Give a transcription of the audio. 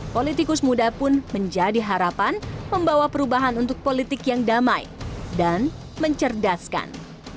politikus muda pun menjadi harapan membawa perubahan untuk politik yang damai dan mencerdaskan